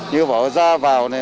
như bảo ra vào này